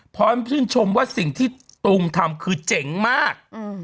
เพราะเพื่อนชมว่าสิ่งที่ตูมทำคือเจ๋งมาก